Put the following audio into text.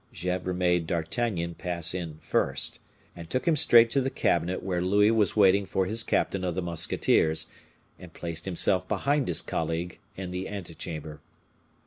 Gesvres made D'Artagnan pass in first, and took him straight to the cabinet where Louis was waiting for his captain of the musketeers, and placed himself behind his colleague in the ante chamber.